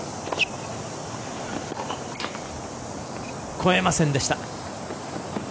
越えませんでした。